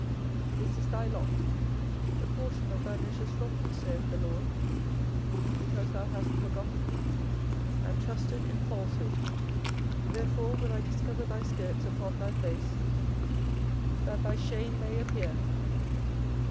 24:013:025 This is thy lot, the portion of thy measures from me, saith the LORD; because thou hast forgotten me, and trusted in falsehood. 24:013:026 Therefore will I discover thy skirts upon thy face, that thy shame may appear.